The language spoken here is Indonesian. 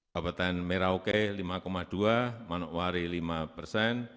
kabupaten merauke lima dua manokwari lima persen